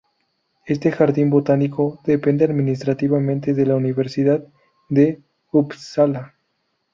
Este jardín botánico depende administrativamente de la Universidad de Uppsala.